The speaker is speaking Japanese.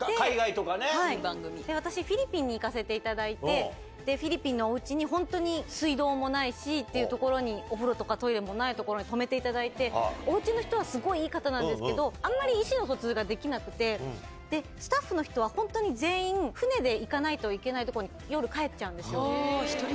私、フィリピンに行かせていただいて、フィリピンのおうちに本当に水道もないしっていう所に、お風呂とかトイレもないところに泊めていただいて、おうちの人はすごいいい方なんですけど、あんまり意思の疎通ができなくて、スタッフの人は本当に全員、船で行かないといけない所に夜、帰っちゃうんですよ。